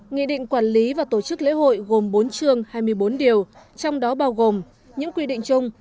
nghị định quản lý và tổ chức lễ hội gồm bốn chương hai mươi bốn điều trong đó bao gồm những quy định chung